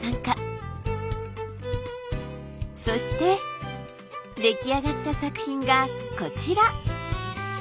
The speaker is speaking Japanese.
そして出来上がった作品がこちら！